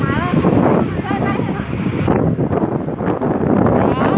และสลิทธิ์น่ะอะไรก็ไปเลย